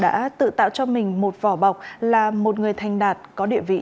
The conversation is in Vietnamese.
đã tự tạo cho mình một vỏ bọc là một người thành đạt có địa vị